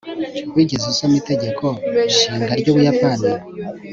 wigeze usoma itegeko nshinga ry'ubuyapani